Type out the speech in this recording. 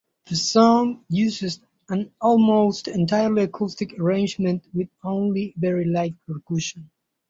The song uses an almost entirely acoustic arrangement with only very light percussion.